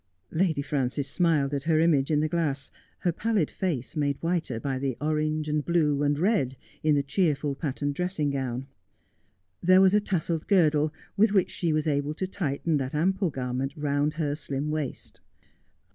Lady Frances smiled at her image in the glass, her pallid face made whiter by the orange, and blue, and red in the cheerful patterned dressing gown. There was a tasselled girdle with which she was able to tighten that ample garment round her slim waist.